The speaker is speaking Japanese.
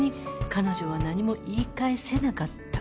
「彼女は何も言い返せなかった」？